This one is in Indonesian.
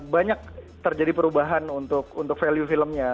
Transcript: banyak terjadi perubahan untuk value filmnya